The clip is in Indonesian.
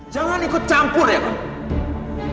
jangan ikut campur ya pak